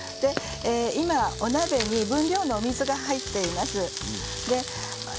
今、お鍋に分量の水が入っています。